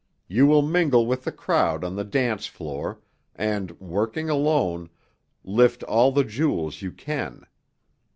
You will mingle with the crowd on the dance floor, and, working alone, lift all the jewels you can.